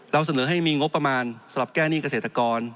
เสนอให้มีงบประมาณสำหรับแก้หนี้เกษตรกร